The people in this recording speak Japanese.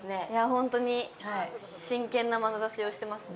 本当に真剣なまなざしをしてますね。